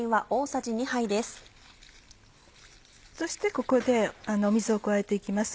そしてここで水を加えて行きます。